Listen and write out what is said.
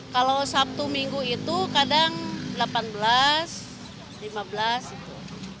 kalau sabtu minggu itu kadang delapan belas lima belas itu